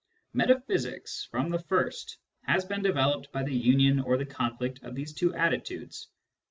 Metaphysics, from the first, has been developed by the union or the conflict of these two attitudes.